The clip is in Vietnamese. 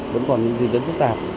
vẫn còn những gì vẫn phức tạp